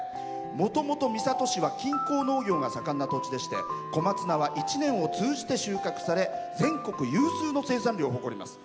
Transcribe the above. もともと三郷市は近郊農業が盛んな土地でして小松菜は一年を通じて収穫され、全国有数の生産量を誇ります。